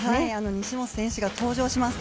西本選手が登場します。